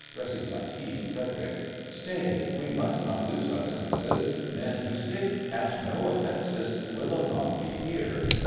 RECIT—FREDERIC Stay, we must not lose our senses; Men who stick at no offences Will anon be here!